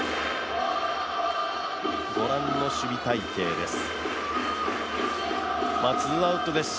ご覧の守備隊形です。